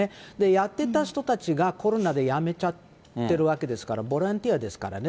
やってた人たちがコロナで辞めちゃってるわけですから、ボランティアですからね。